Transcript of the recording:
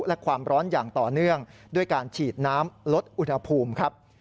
และความร้อนอย่างต่อเนื่องด้วยการฉีดน้ำลดอุณหภูมิครับ